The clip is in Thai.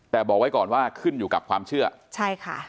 แต่บอกไว้ก่อนว่าขึ้นอยู่กับความเชื่อใช่ค่ะ